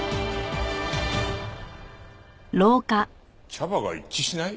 茶葉が一致しない？